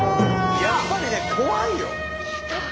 やっぱりね怖いよ。